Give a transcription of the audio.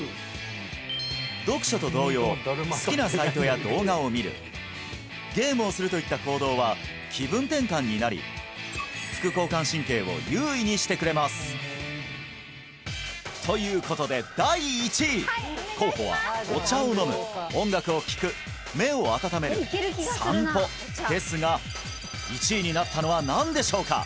読書と同様好きなサイトや動画を見るゲームをするといった行動は気分転換になり副交感神経を優位にしてくれますということで第１位候補はお茶を飲む音楽を聴く目を温める散歩ですが１位になったのは何でしょうか？